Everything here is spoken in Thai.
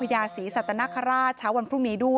ให้กดจากกันก่อ